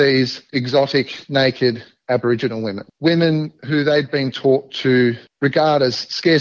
ada wanita wanita aborigin yang berasal dari negara negara eksotis